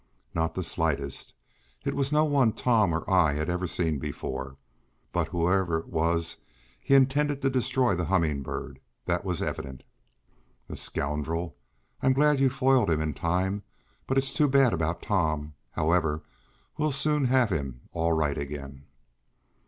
"Not the slightest. It was no one Tom or I had ever seen before. But whoever it was, he intended to destroy the Humming Bird, that was evident!" "The scoundrel! I'm glad you foiled him in time; but it's too bad about Tom. However, we'll soon have him all right again."